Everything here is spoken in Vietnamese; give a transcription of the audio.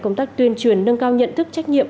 công tác tuyên truyền nâng cao nhận thức trách nhiệm